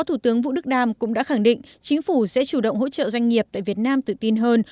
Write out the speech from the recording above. thủ tướng vũ đức đam cũng đã khẳng định chính phủ sẽ chủ động hỗ trợ doanh nghiệp tại việt nam tự tin hơn